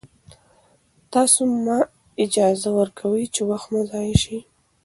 تاسو مه اجازه ورکوئ چې وخت مو ضایع شي.